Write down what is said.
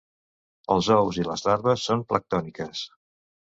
Els ous i les larves són planctòniques.